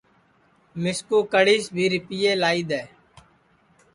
مِسکُو کڑھیس بھی رِپئے لائی دؔے